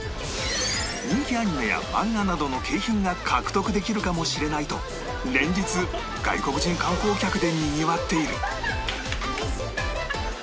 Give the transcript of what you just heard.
人気アニメや漫画などの景品が獲得できるかもしれないと連日外国人観光客でにぎわっている